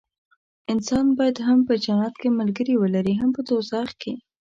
انسان باید هم په جنت کې ملګري ولري هم په دوزخ کې.